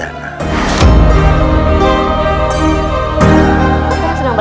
untuk memperbaiki keadaan yang baik